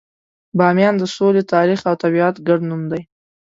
بامیان د سولې، تاریخ، او طبیعت ګډ نوم دی.